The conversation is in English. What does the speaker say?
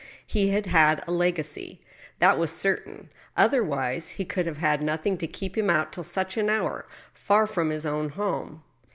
He had had a legacy — that was certain ; otherwise he could have had nothing to keep him out till such an hour, far from his own home.